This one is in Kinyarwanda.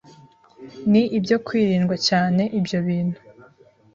ni ibyo kwirindwa cyane ibyo bintu